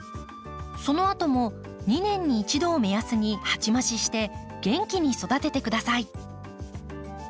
そのあとも２年に一度を目安に鉢増しして元気に育ててください。